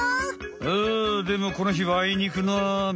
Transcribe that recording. あでもこのひはあいにくのあめ。